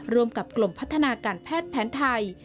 ร่วมกับกรมพัฒนาการแพทย์แผนไทย